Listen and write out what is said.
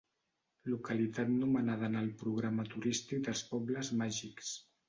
Localitat nomenada en el programa turístic dels Pobles Màgics.